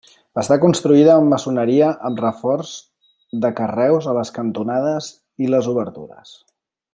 Està construïda amb maçoneria amb reforç de carreus a les cantonades i les obertures.